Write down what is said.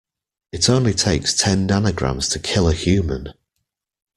It only takes ten nanograms to kill a human.